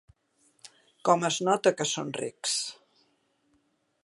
Com es nota que són rics!